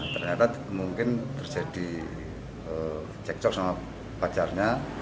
ternyata mungkin terjadi cekcok sama pacarnya